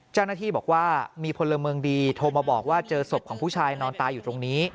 เจ้าหน้าที่บอกว่ามีพลเมืองดีโทรมาบอกว่าเจอศพของผู้ชายนอนตายอยู่ตรงนี้